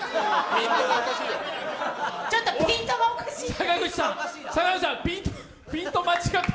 ちょっとピントがおかしいって。